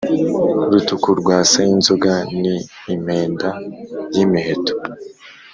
Rutuku rwa Sayinzoga ni Impenda-y’imiheto